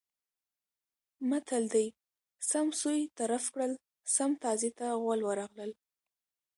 متل دی: سم سوی طرف کړل سم تازي ته غول ورغلل.